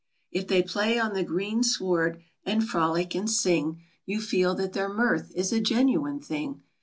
If they play on the green sward, and frolic, and sing, You feel that their mirth is a genuine thing.